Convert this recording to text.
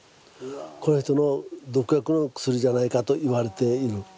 これはその毒薬の薬じゃないかと言われている。